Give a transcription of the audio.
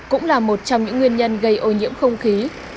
cũng là một trong những nguyên nhân gây ô nhiễm không khí